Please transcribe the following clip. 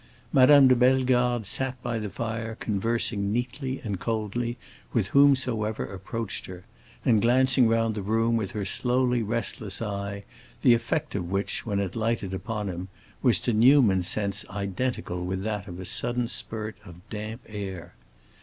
Madame de Bellegarde sat by the fire conversing neatly and coldly with whomsoever approached her, and glancing round the room with her slowly restless eye, the effect of which, when it lighted upon him, was to Newman's sense identical with that of a sudden spurt of damp air.